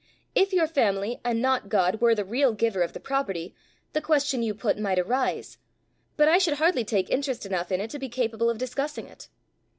If your family and not God were the real giver of the property, the question you put might arise; but I should hardly take interest enough in it to be capable of discussing it.